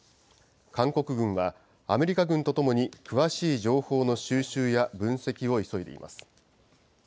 韓国軍はアメリカ軍とともに、詳しい情報の収集や、分析を急いでいます。